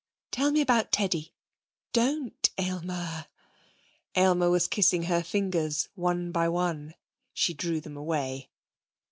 'Tell me about Teddy. Don't, Aylmer!' Aylmer was kissing her fingers one by one. She drew them away.